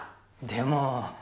でも。